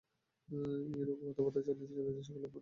এইরূপ কথাবার্তা চলিতে চলিতে সকলে মঠভূমিতে উপস্থিত হইলেন।